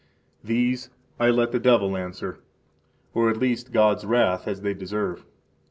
These I let the devil answer, or at last Gods wrath, as they deserve.